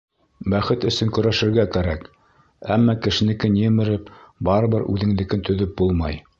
Бәхет өсөн көрәшергә кәрәк, әммә кешенекен емереп, барыбер үҙеңдекен төҙөп булмай.